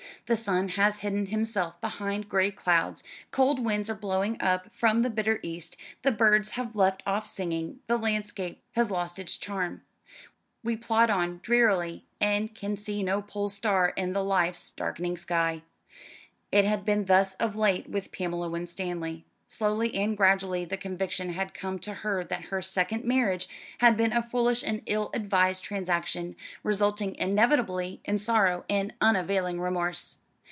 The sun has hidden himself behind gray clouds, cold winds are blowing up from the bitter east, the birds have left off singing, the landscape has lost its charm. We plod on drearily, and can see no Pole Star in life's darkening sky. It had been thus of late with Pamela Winstanley. Slowly and gradually the conviction had come to her that her second marriage had been a foolish and ill advised transaction, resulting inevitably in sorrow and unavailing remorse.